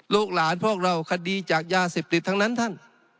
หลานพวกเราคดีจากยาเสพติดทั้งนั้นท่าน